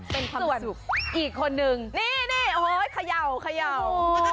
เป็นความสุขอีกคนนึงนี่นี่โอ้โหเขย่า